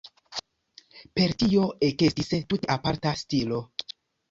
Per tio ekestis tute aparta stilo.